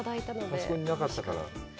あそこになかったから。